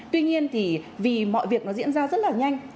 tuy nhiên thì vì mọi việc nó diễn ra rất là nhanh